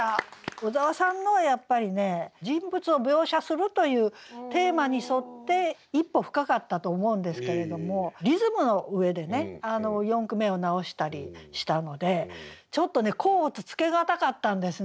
小沢さんのはやっぱりね人物を描写するというテーマに沿って一歩深かったと思うんですけれどもリズムの上でね四句目を直したりしたのでちょっとね甲乙つけがたかったんですね。